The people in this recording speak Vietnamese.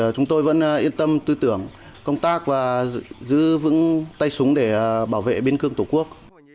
chúng tôi vẫn yên tâm tư tưởng công tác và giữ vững tay súng để bảo vệ biên cương tổ quốc